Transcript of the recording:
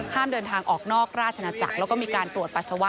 เดินทางออกนอกราชนาจักรแล้วก็มีการตรวจปัสสาวะ